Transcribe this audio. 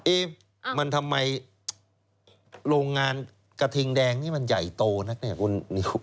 เอ๊ะมันทำไมโรงงานกระทิงแดงนี่มันใหญ่โตนักเนี่ยคุณนิว